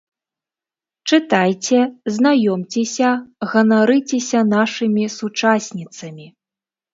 Чытайце, знаёмцеся, ганарыцеся нашымі сучасніцамі!